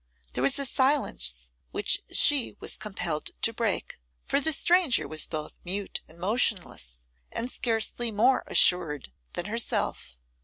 There was a silence which she was compelled to break, for the stranger was both mute and motionless, and scarcely more assured than herself.